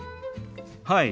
はい。